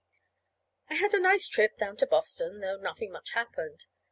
I had a nice trip down to Boston, though nothing much happened.